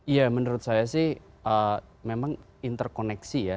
ya menurut saya sih memang interkoneksi ya